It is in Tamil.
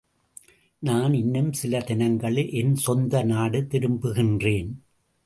நான் இன்னும் சில தினங்களில் என் சொந்த நாடு திரும்புகின்றேன்.